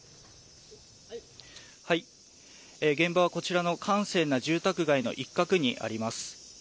現場はこちらの閑静な住宅街の一角にあります。